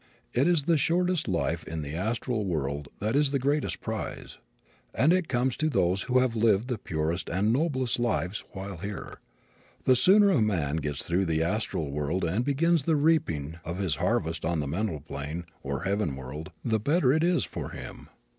It is the shortest life in the astral world that is the greatest prize, and it comes to those who have lived the purest and noblest lives while here. The sooner a man gets through the astral world and begins the reaping of his harvest on the mental plane, or heaven world, the better it is for him.